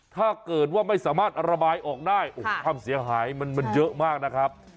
ถ้าเกิดว่าไม่สามารถระบายออกได้โอ้โหความเสียหายมันเยอะมากนะครับ